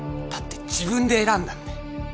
「だって自分で選んだんだよ」